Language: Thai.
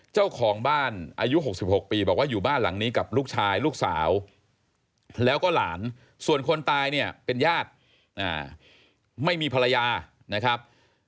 เจ้าของบ้านอายุ๖๖ปีบอกว่าอยู่บ้านหลังนี้กับลูกชายลูกสาวแล้วก็หลานส่วนคนตายเนี่ยเป็นญาติไม่มีภรรยานะครับ